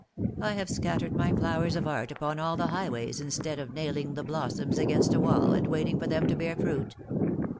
I have scattered my flowers of art upon all the high ways instead of nailing the blossoms against a wall and waiting for them to bear fruit.